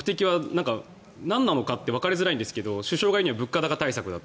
目的は何なのかってわかりづらいんですけど首相が言うには物価高対策だと。